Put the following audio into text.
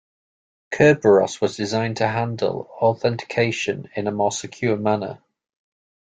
Kerberos was designed to handle authentication in a more secure manner.